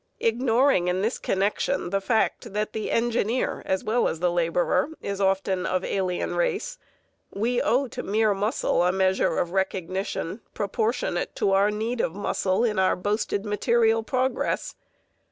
Ignoring in this connection the fact that the engineer as well as the laborer is often of alien race, we owe to mere muscle a measure of recognition proportionate to our need of muscle in our boasted material progress.